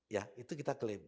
ya itu kita klaim